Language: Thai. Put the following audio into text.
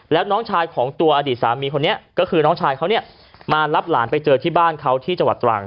แล้วน้องชายของตัวอดีตสามีคนนี้ก็คือน้องชายเขาเนี่ยมารับหลานไปเจอที่บ้านเขาที่จังหวัดตรัง